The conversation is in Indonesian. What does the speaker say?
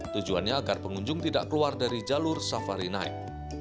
tujuannya agar pengunjung tidak keluar dari jalur safari night